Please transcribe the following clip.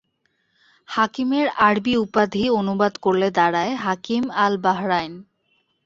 হাকিমের আরবি উপাধি অনুবাদ করলে দাড়ায় হাকিম আল-বাহরাইন।